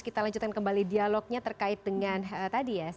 kita lanjutkan kembali dialognya terkait dengan tadi ya